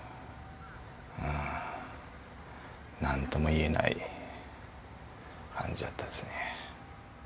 うんなんともいえない感じだったですね。